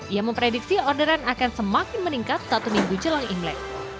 ia memprediksi orderan akan semakin meningkat satu minggu jelang imlek